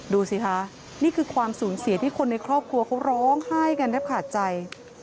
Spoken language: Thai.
ดูสิคะนี่คือความสูญเสียที่คนในครอบครัวเขาร้องไห้กันแทบขาดใจ